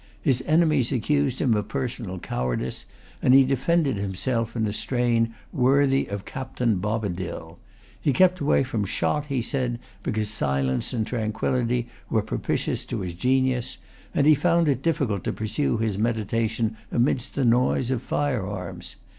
His enemies accused him of personal cowardice; and he defended himself in a strain worthy of Captain Bobadil. He kept away from shot, he said, because silence and tranquillity were propitious to his genius, and he found it difficult to pursue his meditations amidst the noise of fire arms.